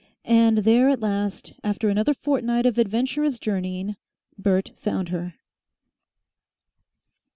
And there at last, after another fortnight of adventurous journeying, Bert found her.